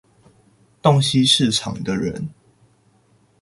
洞悉市場的人